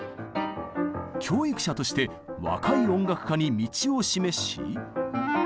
教育者として若い音楽家に道を示し。